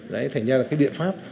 đấy thành ra là cái biện pháp